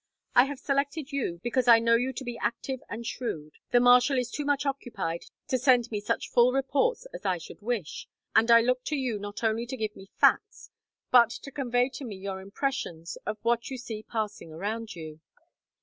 I have selected you because I know you to be active and shrewd. The marshal is too much occupied to send me such full reports as I should wish, and I look to you not only to give me facts, but to convey to me your impressions of what you see passing around you.